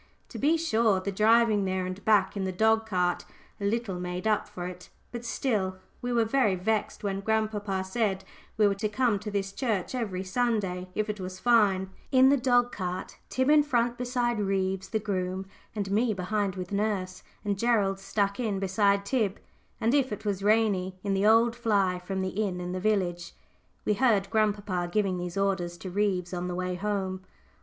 To be sure, the driving there and back in the dog cart a little made up for it; but still, we were very vexed when grandpapa said we were to come to this church every Sunday, if it was fine, in the dog cart, Tib in front beside Reeves the groom, and me behind with nurse, and Gerald stuck in beside Tib; and if it was rainy, in the old fly from the inn in the village. We heard grandpapa giving these orders to Reeves on the way home.